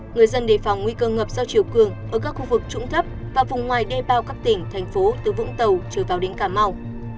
người dân đề phòng nguy cơ ngập do chiều cường ở các khu vực trũng thấp và vùng ngoài đê bao các tỉnh thành phố từ vũng tàu trở vào đến cà mau